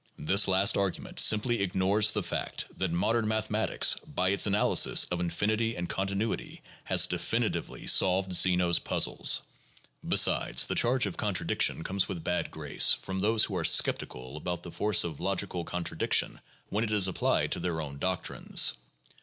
This last argument simply ignores the fact that modern mathematics by its analysis of infinity and continuity has definitely solved Zeno's puzzles. Besides the change of contradiction comes with bad grace from those who are skeptical about the force of logical contradiction when it is applied to their own doctrines.